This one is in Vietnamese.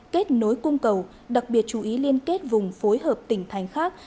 kết nối cung cầu đặc biệt chú ý liên kết vùng phối hợp tỉnh thành khác